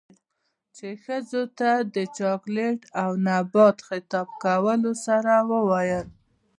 ،چـې ښـځـو تـه د چـاکـليـت او نـبات خـطاب کـولـو سـره وويل.